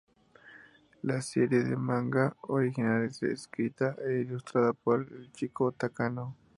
La serie de manga original es escrita e ilustrada por Ichigo Takano.